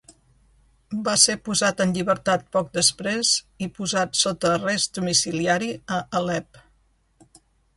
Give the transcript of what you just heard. Va ser posat en llibertat poc després i posat sota arrest domiciliari a Alep.